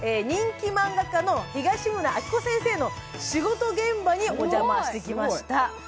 人気漫画家の東村アキコ先生の仕事現場におじゃましてきました。